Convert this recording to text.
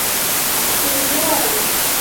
มี ด้วย